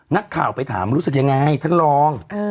นักข่าวไปถามรู้สึกยังไงท่านรอง